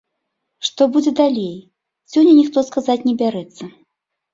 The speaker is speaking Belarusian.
Што будзе далей, сёння ніхто сказаць не бярэцца.